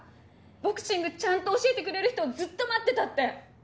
「ボクシングちゃんと教えてくれる人をずっと待ってた」って。